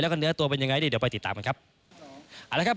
แล้วก็เนื้อตัวเป็นยังไงดิเดี๋ยวไปติดตามกันครับ